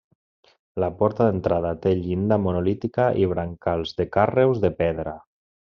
La porta d'entrada té llinda monolítica i brancals de carreus de pedra.